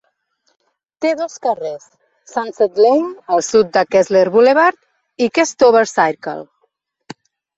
Té dos carrers: Sunset Lane, al sud de Kessler Boulevard, i Questover Circle.